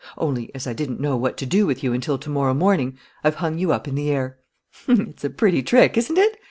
Only, as I didn't know what to do with you until to morrow morning, I've hung you up in the air. "It's a pretty trick, isn't it?